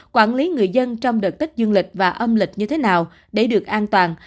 quản lý người dân trong đợt tích dương lịch và âm lịch như thế nào để được an toàn